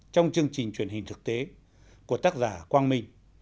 trong chương trình truyền hình thực tế của tác giả quang minh